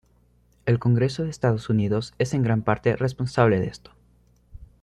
El congreso de Estados Unidos es en gran parte responsable de esto.